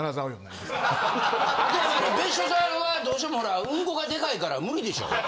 別所さんはどうしてもほらウンコがデカいから無理でしょ？